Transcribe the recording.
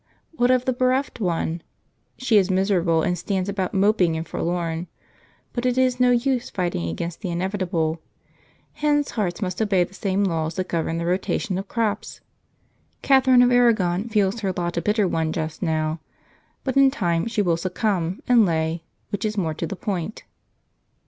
What of the bereft one? She is miserable and stands about moping and forlorn, but it is no use fighting against the inevitable; hens' hearts must obey the same laws that govern the rotation of crops. Catherine of Aragon feels her lot a bitter one just now, but in time she will succumb, and lay, which is more to the point.